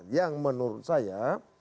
yang menurut saya